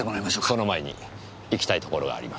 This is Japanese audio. その前に行きたい所があります。